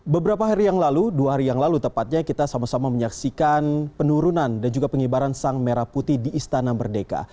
beberapa hari yang lalu dua hari yang lalu tepatnya kita sama sama menyaksikan penurunan dan juga pengibaran sang merah putih di istana merdeka